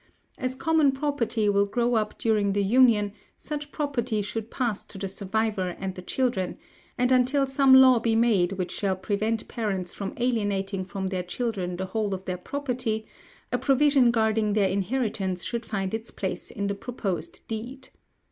As common property will grow up during the union, such property should pass to the survivor and the children, and until some law be made which shall prevent parents from alienating from their children the whole of their property, a provision guarding their inheritance should find its place in the proposed deed.